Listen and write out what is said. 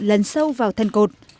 lấn sâu vào thân cột